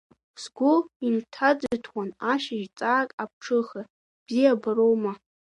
Сгәы инҭаӡыҭуан ашьыжь ҵаак аԥҽыха, бзиабароума…